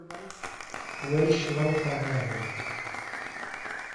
وهی شڵهو خانانم